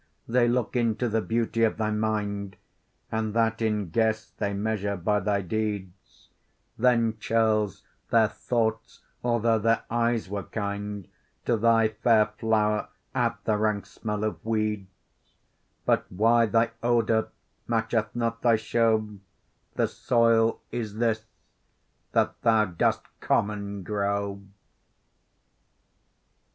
They look into the beauty of thy mind, And that in guess they measure by thy deeds; Then churls their thoughts, although their eyes were kind, To thy fair flower add the rank smell of weeds: But why thy odour matcheth not thy show, The soil is this, that thou dost common grow.